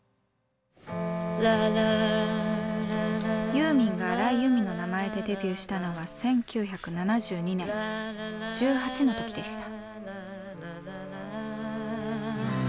ユーミンが荒井由実の名前でデビューしたのは１９７２年１８の時でした。